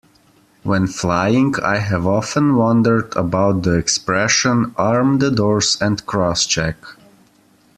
When flying, I have often wondered about the expression Arm the Doors and Crosscheck